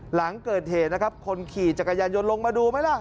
หลังเกิดเหตุนะครับคนขี่จักรยานยนต์ลงมาดูไหมล่ะ